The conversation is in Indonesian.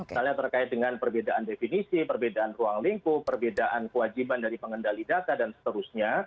misalnya terkait dengan perbedaan definisi perbedaan ruang lingkup perbedaan kewajiban dari pengendali data dan seterusnya